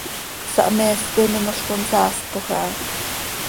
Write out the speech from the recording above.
Sahmees zo minol consaaspoj aha.